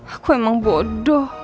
aku emang bodoh